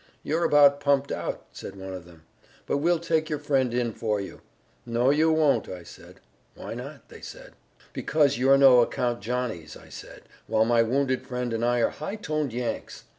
'You're about pumped out,' said one of them, 'but we'll take your friend in for you.' 'No, you won't,' I said. 'Why not?' said they. 'Because you're no account Johnnies,' I said, 'while my wounded friend and I are high toned Yanks.'